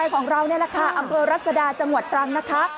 ของเรานี่แหละค่ะอำเภอรัศดาจังหวัดตรังนะคะ